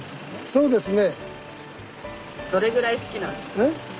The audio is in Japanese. そうですね。